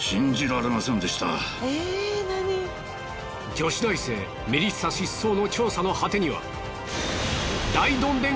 女子大生メリッサ失踪の調査の果てには。